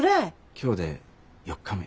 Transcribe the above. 今日で４日目。